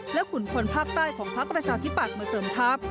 และขุนคนพักใต้ของพักประชาธิปักมาเสริมทัพ